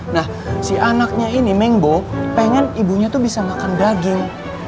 nah si anaknya ini mangbo pengen ibunya tuh bisa makan daging